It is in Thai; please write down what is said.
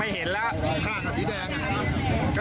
ไม่เห็นแล้ว